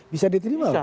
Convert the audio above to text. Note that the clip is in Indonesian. bisa diterima loh